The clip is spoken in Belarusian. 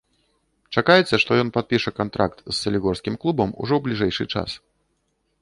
Чакаецца, што ён падпіша кантракт з салігорскім клубам ужо ў бліжэйшы час.